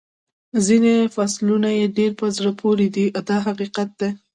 ځینې فصلونه یې ډېر په زړه پورې دي دا حقیقت دی.